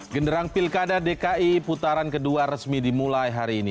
genderang pilkada dki putaran kedua resmi dimulai hari ini